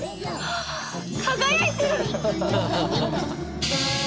輝いてる！